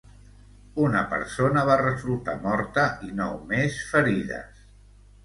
Una persona va resultar morta i nou més ferides.